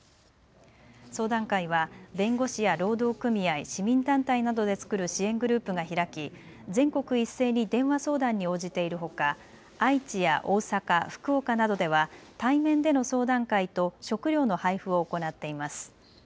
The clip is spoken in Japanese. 相談会は弁護士や労働組合、市民団体などで作る支援グループが開き、全国一斉に電話相談に応じているほか愛知や大阪、福岡などでは対面での相談会と食料の配布を行っています。